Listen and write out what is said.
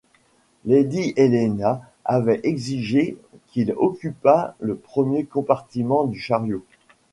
Lady Helena avait exigé qu’il occupât le premier compartiment du chariot.